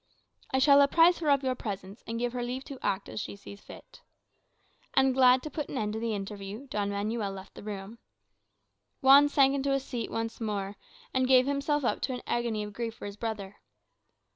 "I shall apprise her of your presence, and give her leave to act as she sees fit." And glad to put an end to the interview, Don Manuel left the room. Juan sank into a seat once more, and gave himself up to an agony of grief for his brother.